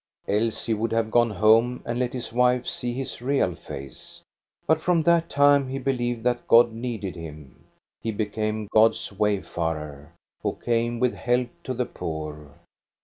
Else he would have gone home and let his wife see his real face, but from that time he believed that God needed him. He became God's wayfarer, who came with help to the poor.